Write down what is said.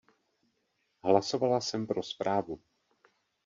Hlasovala jsem pro zprávu.